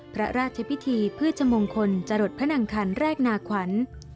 พระราชพิธีพฤชมงคลจรดพระนังคันแรกนาขวัญ